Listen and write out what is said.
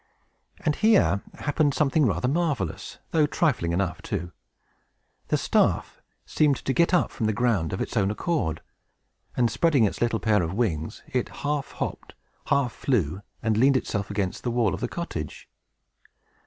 And here happened something rather marvelous, though trifling enough, too. The staff seemed to get up from the ground of its own accord, and, spreading its little pair of wings, it half hopped, half flew, and leaned itself against the wall of the cottage.